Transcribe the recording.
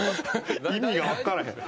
意味が分からへん。